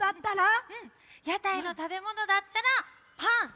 屋台のたべものだったら「パン！」。